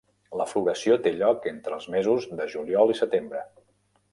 La floració té lloc entre els mesos de juliol i setembre.